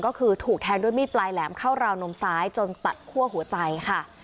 ก็คือถูกแทงด้วยมีดปลายแหลมเข้าราวนมซ้ายจนตัดคั่วหัวใจค่ะ